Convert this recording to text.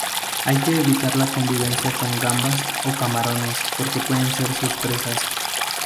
Hay que evitar la convivencia con gambas o camarones, porque pueden ser sus presas.